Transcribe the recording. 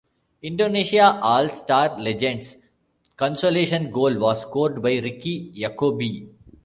Indonesia All-Star Legend's consolation goal was scored by Ricky Yacobi.